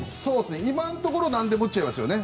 今のところ何でも打っちゃいますね。